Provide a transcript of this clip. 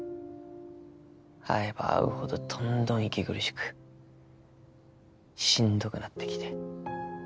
会えば会うほどどんどん息苦しくしんどくなってきて。